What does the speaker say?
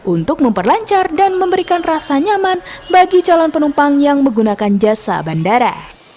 untuk memperlancar dan memberikan rasa nyaman bagi calon penumpang yang menggunakan jasa bandara